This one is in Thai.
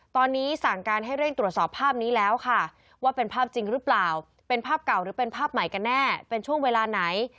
ตอนนี้สั่งการให้เร่งตรวจสอบภาพนี้แล้วค่ะว่าเป็นภาพจริงหรือเปล่าเป็นภาพเก่าหรือเป็นภาพใหม่กันแน่เป็นช่วงเวลาไหน